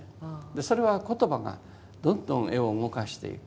それは言葉がどんどん絵を動かしていく。